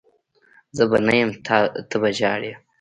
زه به نه یم ته به ژاړي